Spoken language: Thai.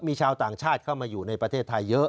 มีชาวต่างชาติเข้ามาอยู่ในประเทศไทยเยอะ